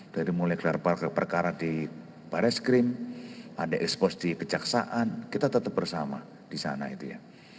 dari mulai gelar perkara di baris krim ada ekspos di kejaksaan kita tetap bersama di sana itu ya